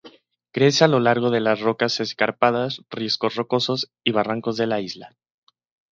Crece a lo largo de rocas escarpadas, riscos rocosos y barrancos de la isla.